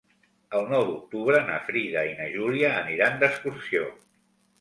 El nou d'octubre na Frida i na Júlia aniran d'excursió.